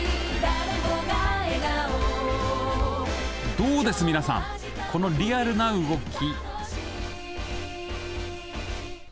どうです、皆さんこのリアルな動き。